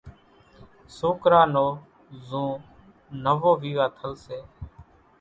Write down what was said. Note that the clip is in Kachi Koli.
سوڪرا نو زو نوو ويوا ٿل سي،